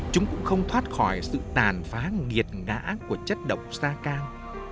chúng cũng không thoát khỏi sự tàn phá nghiệt ngã của chất động sa can